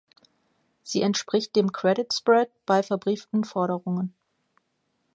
Sie entspricht dem Credit Spread bei verbrieften Forderungen.